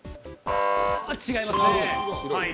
違いますね。